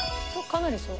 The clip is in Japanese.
かなりそう。